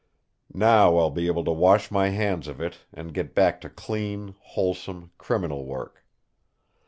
Now I'll be able to wash my hands of it, and get back to clean, wholesome, criminal work.